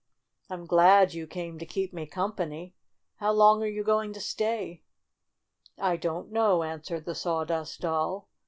I'm glad you came to keep me company. How long are you going to stay?" "I don't know," answered the Sawdust Doll.